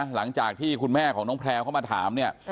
หลังจากที่คุณแม่ของน้องแพลวเข้ามาถามเนี่ย